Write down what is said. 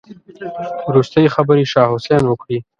وروستۍ خبرې شاه حسين وکړې.